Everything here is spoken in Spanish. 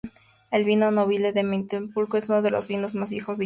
El Vino Nobile di Montepulciano es uno de los vinos más viejos de Italia.